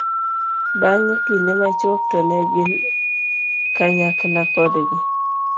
bang' kinde machuok to ne gin kanyakla kodgi